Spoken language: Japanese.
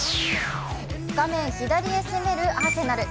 画面左へ攻めるアーセナル。